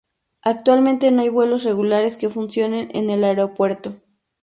Actualmente no hay vuelos regulares que funcionen en el aeropuerto.